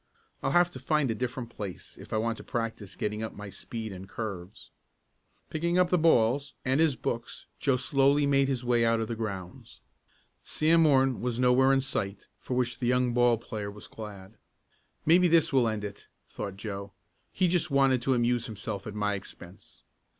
I'll have to find a different place if I want to practice getting up my speed and curves." Picking up the balls and his books Joe slowly made his way out of the grounds. Sam Morton was nowhere in sight, for which the young ball player was glad. "Maybe this will end it," thought Joe. "He just wanted to amuse himself at my expense."